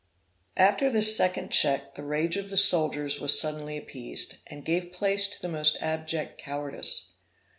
After this second check, the rage of the soldiers was suddenly appeased, and gave place to the most abject cowardice.